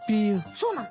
そうなの？